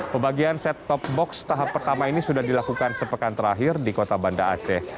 pembagian set top box tahap pertama ini sudah dilakukan sepekan terakhir di kota banda aceh